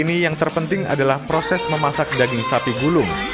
ini yang terpenting adalah proses memasak daging sapi gulung